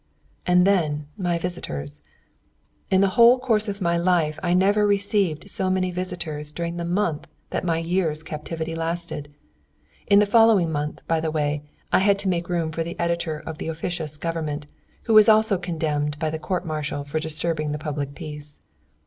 And then my visitors! In the whole course of my life I never received so many visitors as during the month that my year's captivity lasted. In the following month, by the way, I had to make room for the editor of the officious government, who was also condemned by the court martial for disturbing the public peace.